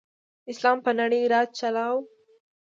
اسلام په نړۍ راج چلاؤ.